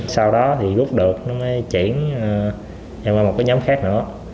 sau đó thì góp được nó mới chuyển vào một nhóm khác nữa